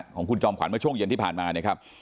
ของคุณจอมขวัญเมื่อช่วงเย็นที่ผ่านมานะครับ